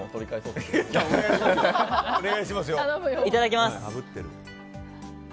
いただきます！